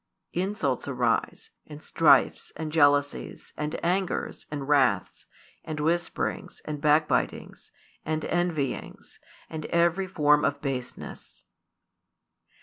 Insults arise, and strifes, and jealousies, and angers, and wraths, and whisperings, and back bitings, and envyings, and every form of baseness.